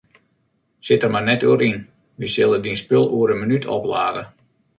Sit der mar net oer yn, wy sille dyn spul oer in minút oplade.